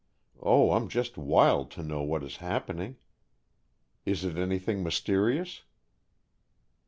Oh, I'm just wild to know what is happening. Is it anything mysterious?"